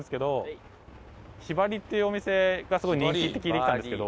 ひばりっていうお店がすごい人気って聞いて来たんですけど。